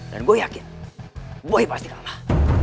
dan gue yakin boy pasti kalah